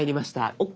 「ＯＫ」